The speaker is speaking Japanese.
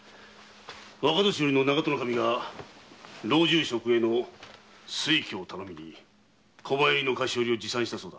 若年寄の長門守が老中職への推挙を頼みに小判入りの菓子折りを持参したそうだ。